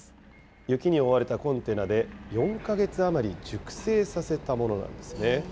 雪に覆われたコンテナで４か月余り熟成させたものなんですね。